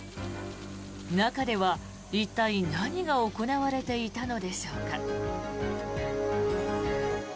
中では一体、何が行われていたのでしょうか。